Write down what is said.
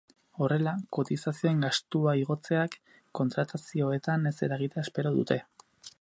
Horrela, kotizazioen gastua igotzeak kontratazioetan ez eragitea espero dute.